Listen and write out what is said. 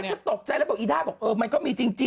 ไม่ใช่ฉันตกใจแล้วอีท่าบอกเออมันก็มีจริง